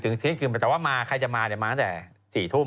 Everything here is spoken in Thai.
เที่ยงคืนแต่ว่ามาใครจะมาเนี่ยมาตั้งแต่๔ทุ่ม